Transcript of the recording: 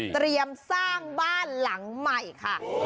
เตรียมสร้างบ้านหลังใหม่ค่ะ